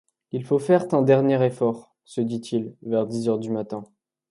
Il faut faire un dernier effort ! se dit-il vers dix heures du matin.